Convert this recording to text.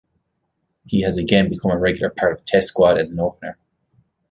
He has again become a regular part of Test squad as an opener.